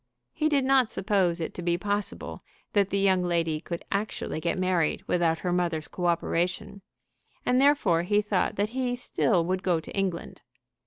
He did not suppose it to be possible that the young lady could actually get married without her mother's co operation, and therefore he thought that he still would go to England.